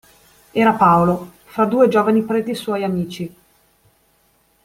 Era Paolo, fra due giovani preti suoi amici.